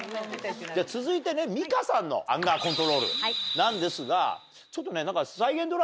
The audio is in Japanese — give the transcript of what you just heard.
続いて美香さんのアンガーコントロールなんですがちょっとね。